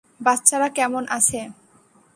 বাচ্চারা কেমন আছে?